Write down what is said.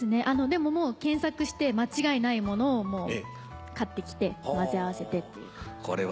でももう検索して間違いないものを買ってきてまぜ合わせてって。